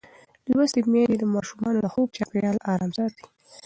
لوستې میندې د ماشومانو د خوب چاپېریال آرام ساتي.